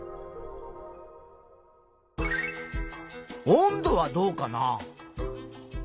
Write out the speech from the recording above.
温度はどうかな？